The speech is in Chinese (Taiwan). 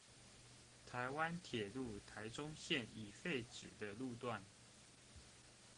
臺灣鐵路臺中線已廢止的路段